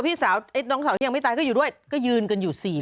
พี่สาวน้องสาวที่ยังไม่ตายก็อยู่ด้วยก็ยืนกันอยู่๔คน